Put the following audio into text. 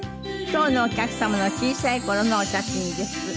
今日のお客様の小さい頃のお写真です。